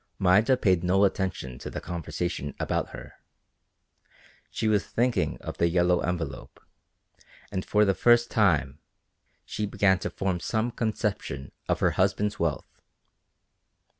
Maida paid no attention to the conversation about her. She was thinking of the yellow envelope, and for the first time she began to form some conception of her husband's wealth.